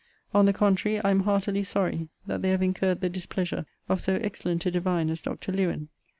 On the contrary, I am heartily sorry that they have incurred the displeasure of so excellent a divine as Dr. Lewen.